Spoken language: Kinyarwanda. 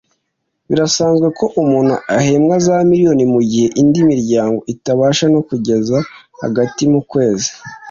Birasanzwe ko umuntu ahembwa za miliyoni mu gihe indi miryango itabasha no kugeza hagati mu kwezi